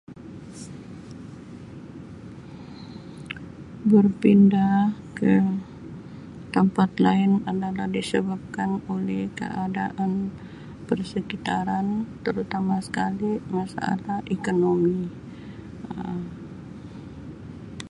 Berpindah ke tempat lain adalah disebabkan oleh keadaan persekitaran terutama sekali masalah ekonomi Um.